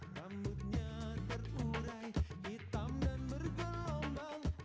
rambutnya terurai hitam dan bergelombang